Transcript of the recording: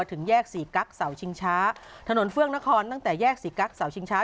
ถึงแยกสี่กั๊กเสาชิงช้าถนนเฟื่องนครตั้งแต่แยกสี่กั๊กเสาชิงช้า